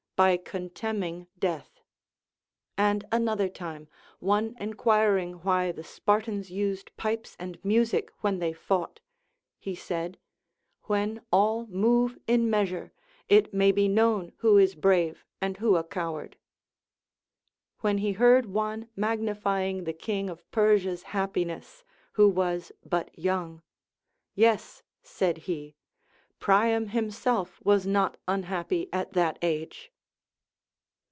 By contemning death. And another time, one enquiring why the Spartans used pipes and music when they fought, he said, When all move in measure, it may be known who is brave and who a cow ard. When he heard one magnifying the king of Persia's happiness, who was but young, Yes, said he, Priam himself was not unhappy at that age.